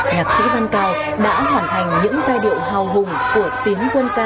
nhạc sĩ văn cao đã hoàn thành những giai điệu hào hùng của tiến quân ca